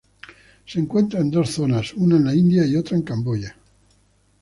Se encuentra en dos zonas, una en la India y otra en Camboya.